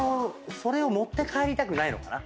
それを持って帰りたくないのかな。